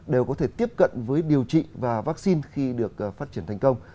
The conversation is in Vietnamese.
đều có thể tiếp cận với điều trị và vaccine khi được phát triển thành công